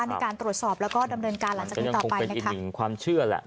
ในการตรวจสอบแล้วก็ดำเนินการหลังจากนี้ต่อไปนะคะอีกหนึ่งความเชื่อแหละ